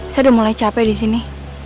saya udah mulai capek disini